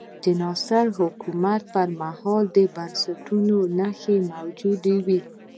د ناصر حکومت پر مهال د بنسټونو نښې موجودې وې.